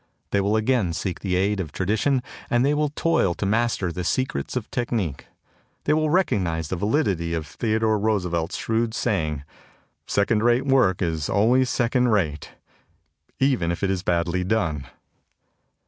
They will again seek the aid of tradition and they will toil to master the secrets of technic. They will recognize the validity of Theodore Roosevelt's shrewd saying: " Second rate work is always second rate even if it is badly done."